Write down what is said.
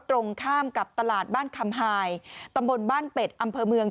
ตรงข้ามกับตลาดบ้านคำหายตำบลบ้านเป็ดอำเภอเมือง